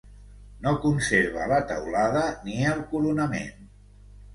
No conserva la teulada ni el coronament.